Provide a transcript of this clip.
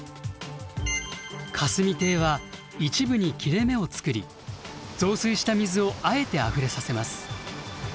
霞堤は一部に切れ目を作り増水した水をあえてあふれさせます。